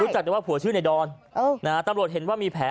จากแต่ว่าผัวชื่อในดอนตำรวจเห็นว่ามีแผล